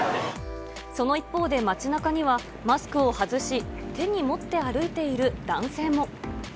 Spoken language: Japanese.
その一方で、街なかにはマスクを外し、手に持って歩いている男性も。